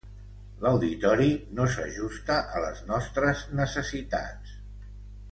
L'auditori no s'ajusta a les nostres necessitats.